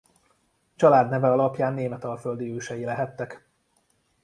Családneve alapján németalföldi ősei lehettek.